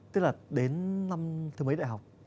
tức là đến năm thứ mấy đại học